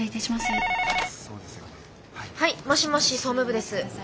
☎はいもしもし総務部です。